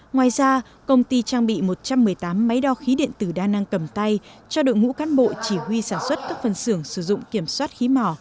ngoài ra công ty trang bị một trăm một mươi tám máy đo khí điện tử đa năng cầm tay cho đội ngũ cán bộ chỉ huy sản xuất các phân xưởng sử dụng kiểm soát khí mỏ